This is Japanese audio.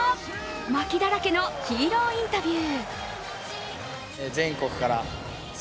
牧だらけのヒーローインタビュー。